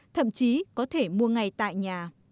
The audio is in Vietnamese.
thậm chí có thể mua ngay tại nhà